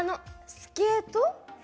スケート？